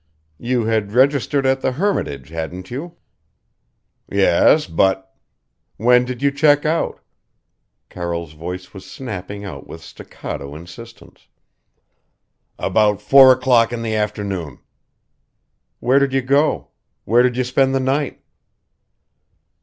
"You had registered at the Hermitage, hadn't you?" "Yes, but " "When did you check out?" Carroll's voice was snapping out with staccato insistence. "About four o'clock in the afternoon." "Where did you go? Where did you spend the night?"